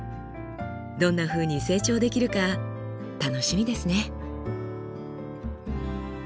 どんなふうに成長できるか楽しみですね。